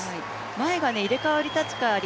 前が入れ代わり立ち代わり